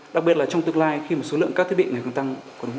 đặc biệt là trong tương lai khi một số lượng các thiết bị này càng tăng